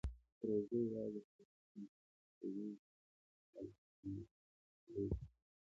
پروژې یوازې هغه کسان ترلاسه کوي چې د سیاستوالو په پلو کې وي.